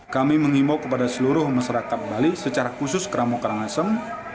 kami mengimbau kepada seluruh masyarakat bali secara khusus keramu karangasem